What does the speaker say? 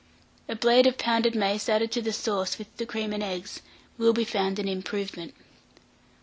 A blade of pounded mace added to the sauce, with the cream and eggs, will be found an improvement.